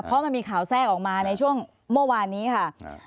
เพราะมันมีข่าวแทรกออกมาในช่วงเมื่อวานนี้ค่ะ